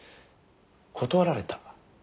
断られた？